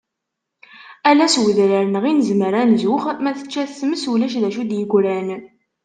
Ala s udrar-nneɣ i nezmer ad nzux, ma tečča-t tmes ulac dacu i d-yegran